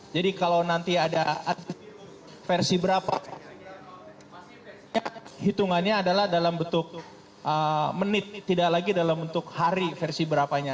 jadi kalau nanti ada versi berapa hitungannya adalah dalam bentuk menit tidak lagi dalam bentuk hari versi berapanya